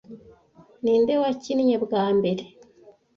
Ninde wakinnye bwa mbere